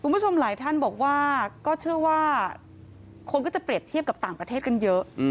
คุณผู้ชมหลายท่านบอกว่าก็เชื่อว่าคนก็จะเปรียบเทียบกับต่างประเทศกันเยอะ